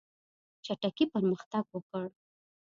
چټکي پرمختګ وکړ.